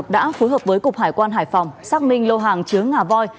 đã phối hợp với cục hải quan hải phòng xác minh lô hàng chứa ngà voi